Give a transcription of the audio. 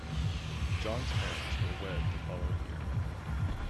John's parents were wed the following year.